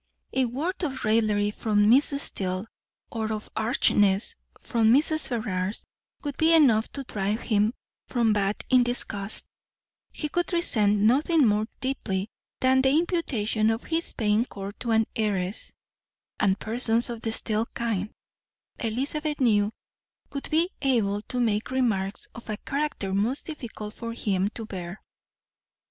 A word of raillery from Miss Steele, or of archness from Mrs. Ferrars, would be enough to drive him from Bath in disgust; he would resent nothing more deeply than the imputation of his paying court to an heiress, and persons of the Steele kind, Elizabeth knew, would be able to make remarks of a character most difficult for him to bear.